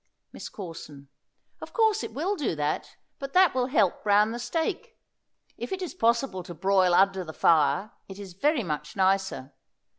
MISS CORSON. Of course it will do that, but that will help brown the steak. If it is possible to broil under the fire it is very much nicer.